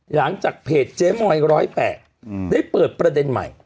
หลังจากเพจเจ๊มอย๑๐๘ได้เปิดประเด็นใหม่